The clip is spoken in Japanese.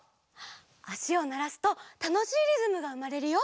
あしをならすとたのしいリズムがうまれるよ。